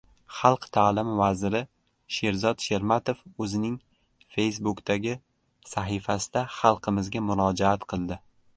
Xalq ta’limi vaziri Sherzod Shermatov o‘zining Facebookʼdagi sahifasida xalqimizga murojaat qildi